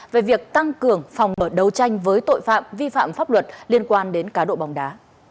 về việc tăng cường phòng mở đấu tranh với tội phạm vi phạm pháp luật liên quan đến cá độ bóng đá